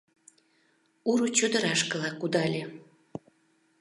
— Ур чодырашкыла кудале.